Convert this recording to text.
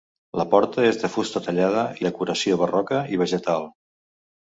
La porta és de fusta tallada i decoració barroca i vegetal.